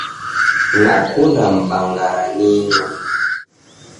Nakunda mubangara ninyo.